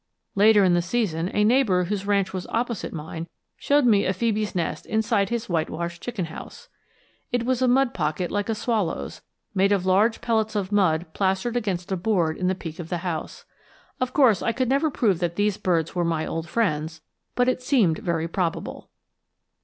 Later in the season, a neighbor whose ranch was opposite mine showed me a phœbe's nest inside his whitewashed chicken house. It was a mud pocket like a swallow's, made of large pellets of mud plastered against a board in the peak of the house. Of course I could never prove that these birds were my old friends, but it seemed very probable.